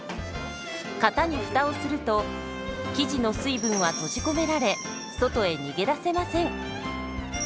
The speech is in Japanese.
型にフタをすると生地の水分は閉じ込められ外へ逃げ出せません。